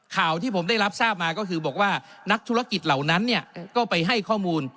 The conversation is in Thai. ข่าวที่ผมได้รับทราบมาก็คือบอกว่านักธุรกิจเหล่านั้นเนี่ยก็ไปให้ข้อมูล